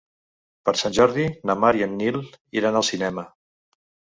Per Sant Jordi na Mar i en Nil iran al cinema.